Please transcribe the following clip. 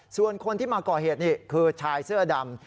ส่วนคนที่มาก่อเหตุนี่คือชายเสื้อดำ